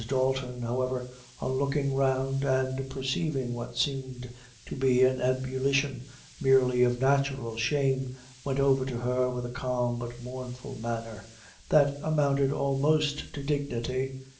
Dalton, however, on looking round and perceiving what seemed to be an ebullition merely of natural shame, went over to her with a calm but mournful manner that amounted almost to dignity.